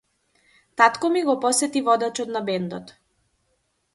Татко ми го посети водачот на бендот.